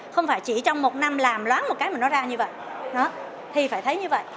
không phải chỉ trong một năm làm lóng một cái mà nó ra như vậy thì phải thấy như vậy